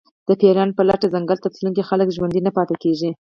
د پېریانو په لټه ځنګل ته تلونکي خلک ژوندي نه پاتې کېږي.